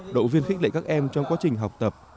động viên khích lệ các em trong quá trình học tập